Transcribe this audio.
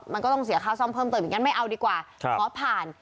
มันก็ต้องเสียค่าซ่อมเพิ่มเติมอย่างนั้นไม่เอาดีกว่าขอผ่าน